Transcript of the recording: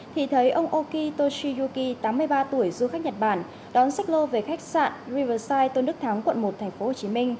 thì thấy ông okitoshi yuki tám mươi ba tuổi du khách nhật bản đón xích lô về khách sạn riverside tôn đức thắng quận một tp hcm